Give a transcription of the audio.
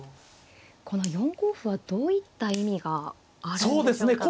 この４五歩はどういった意味があるんでしょうか。